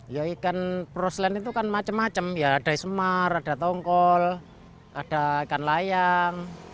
ya ikan proslen itu kan macam macam ya ada semar ada tongkol ada ikan layang